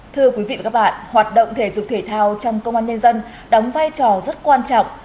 thưa quý vị và các bạn hoạt động thể dục thể thao trong công an nhân dân đóng vai trò rất quan trọng